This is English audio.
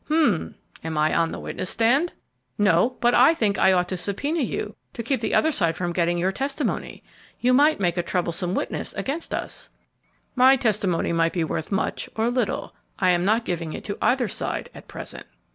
"H'm! am I on the witness stand?" "No; but I think I ought to subpoena you to keep the other side from getting your testimony; you might make a troublesome witness against us." "My testimony might be worth much or little; I am not giving it to either side at present."